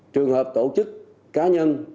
trường hợp tổ chức cá nhân